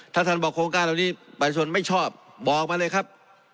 ถ้าท่านบอกโครงการเหล่านี้ประชาชนไม่ชอบบอกมาเลยครับ